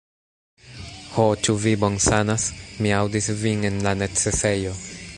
Ho, ĉu vi bonsanas? Mi aŭdis vin en la necesejo!